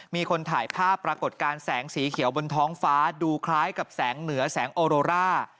มีคนถ่ายภาพปรากฏการณ์แสงสีเขียวบนท้องฟ้าดูคล้ายกับแสงเหนือแสงโอโรร่า